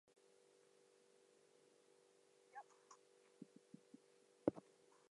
The riding contained Toronto's Chinatown, Koreatown, Little Italy, and Little Portugal.